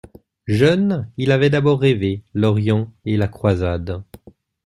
Jeune, il avait d'abord rêvé l'Orient et la croisade.